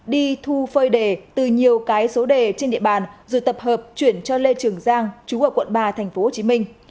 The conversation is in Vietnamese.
đi thu phơi đề từ nhiều cái số đề trên địa bàn rồi tập hợp chuyển cho lê trường giang chú ở quận ba thành phố hồ chí minh